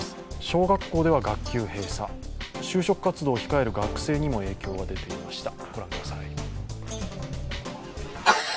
小学校では学級閉鎖就職活動を控える学生にも影響が出ていました。